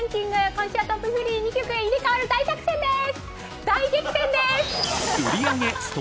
今週はトップ３２曲が入れ代わる大激戦です！